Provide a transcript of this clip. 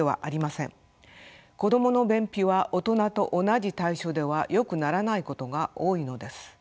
子どもの便秘は大人と同じ対処ではよくならないことが多いのです。